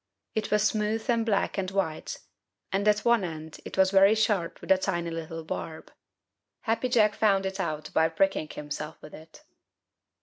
It was smooth and black and white, and at one end it was very sharp with a tiny little barb. Happy Jack found it out by pricking himself with it.